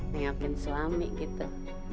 nengokin suami gitu